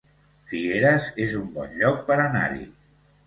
Figueres es un bon lloc per anar-hi